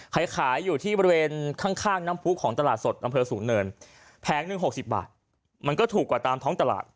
ขายอยู่ที่บริเวณข้างน้ำผู้ของตลาดสดอำเภอสูงเนินแผงหนึ่ง๖๐บาทมันก็ถูกกว่าตามท้องตลาด